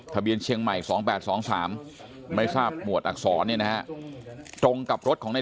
ทะเบียนเชียงใหม่๒๘๒๓ไม่ทราบหมวดอักษรเนี่ยนะฮะตรงกับรถของใน